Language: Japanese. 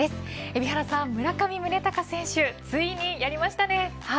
海老原さん、村上宗隆選手ついにやりましたね。